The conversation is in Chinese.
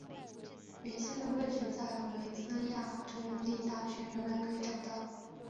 原先的位置在维兹亚州立大学仍然可以找到。